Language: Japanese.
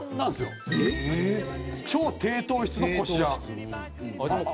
超低糖質のこしあん。